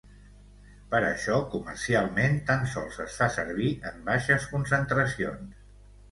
Per això, comercialment tan sols es fa servir en baixes concentracions.